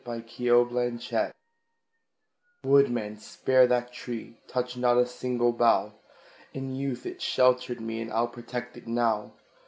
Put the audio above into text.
[See Notes] Woodman, spare that tree! Touch not a single bough! In youth it sheltered me, And I'll protect it now.